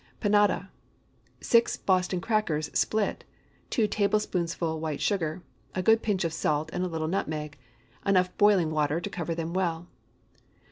PANADA. ✠ 6 Boston crackers, split. 2 tablespoonfuls white sugar. A good pinch of salt, and a little nutmeg. Enough boiling water to cover them well.